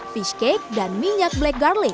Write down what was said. fish cake dan minyak black garling